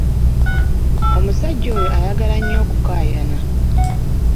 Omusajja oyo ayagala nnyo okukaayana.